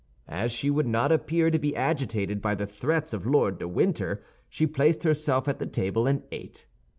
As she would not appear to be agitated by the threats of Lord de Winter, she placed herself at the table and ate.